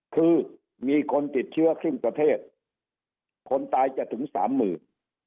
คือมีคนติดเชื้อครึ่งประเทศคนตายจะถึงสามหมื่น